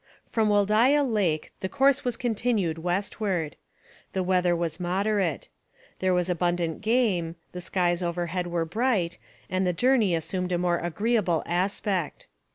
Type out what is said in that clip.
From Wholdaia Lake the course was continued westward. The weather was moderate. There was abundant game, the skies overhead were bright, and the journey assumed a more agreeable aspect.